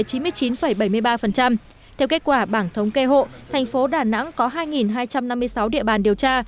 theo kết quả bảng thống kê hộ thành phố đà nẵng có hai hai trăm năm mươi sáu địa bàn điều tra